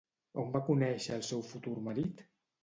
On va conèixer al seu futur marit?